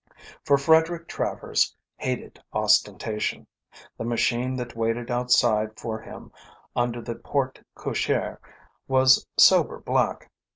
For Frederick Travers hated ostentation. The machine that waited outside for him under the porte cochère was sober black.